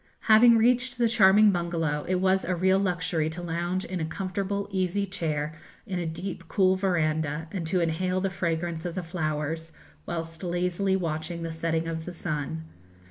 Having reached the charming bungalow, it was a real luxury to lounge in a comfortable easy chair in a deep cool verandah, and to inhale the fragrance of the flowers, whilst lazily watching the setting of the sun.